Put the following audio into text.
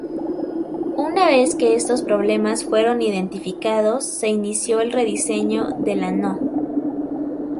Una vez que estos problemas fueron identificados, se inició el rediseño de la No.